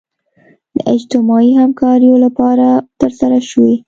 د اجتماعي همکاریو لپاره ترسره شوي.